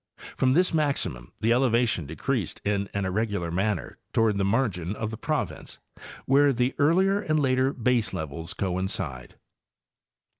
From this maximum the eleva tion decreased in an irregular manner toward the margin of the province, where the earlier and later baselevels coincide.